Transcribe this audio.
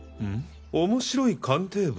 面白い鑑定物？